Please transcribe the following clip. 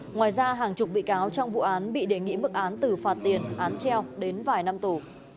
ngoài ra hàng chục bị cáo trong vụ án bị đề nghị mức án từ phạt tiền án treo đến vài năm tù